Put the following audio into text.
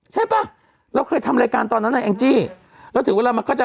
ใช่ป่ะเราเคยทำรายการตอนนั้นไงแองจี้แล้วถือว่าเรามาเข้าใจ